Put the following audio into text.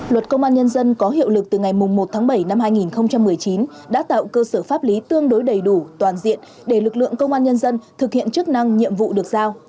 luật công an nhân dân có hiệu lực từ ngày một tháng bảy năm hai nghìn một mươi chín đã tạo cơ sở pháp lý tương đối đầy đủ toàn diện để lực lượng công an nhân dân thực hiện chức năng nhiệm vụ được giao